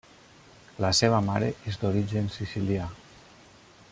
La seva mare és d'origen Sicilià.